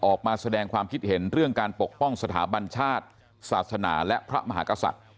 ออกมาแสดงความคิดเห็นเรื่องการปกป้องสถาบันชาติศาสนาและพระมหากษัตริย์